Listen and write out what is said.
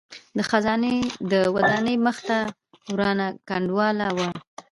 د خزانې د ودانۍ مخې ته ورانه کنډواله وه.